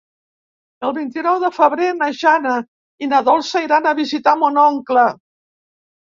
El vint-i-nou de febrer na Jana i na Dolça iran a visitar mon oncle.